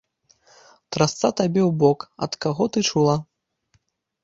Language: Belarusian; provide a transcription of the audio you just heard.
Трасца табе ў бок, ад каго ты чула?